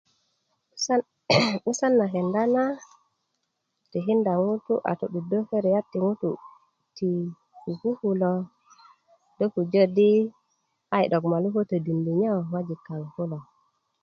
sal 'busan na kenda na tikinda ŋutu' a to'duddö keriyat ti ŋutu' ti kuku kulo do pujö di a yi' 'dok molu ko todindi nyo ŋojik kaŋ kulo